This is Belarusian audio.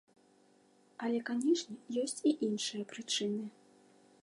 Але, канешне, ёсць і іншыя прычыны.